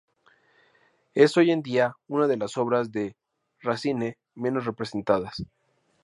Es hoy en día una de las obras de Racine menos representadas.